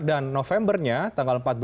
dan novembernya tanggal empat belas